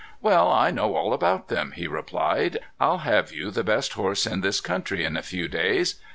"Well, I know all about them," he replied. "I'll have you the best horse in this country in a few days.